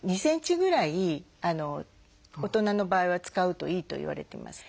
２ｃｍぐらい大人の場合は使うといいといわれてます。